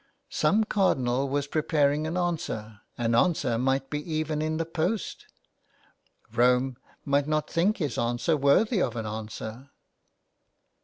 Some cardinal was preparing an answer — an answer might be even in the post. Rome might not think his letter worthy of an answer.